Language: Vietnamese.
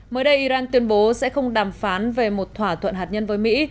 mới đây iran tuyên bố sẽ không đàm phán về một thỏa thuận hạt nhân với mỹ